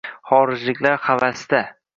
Xorijliklar havasda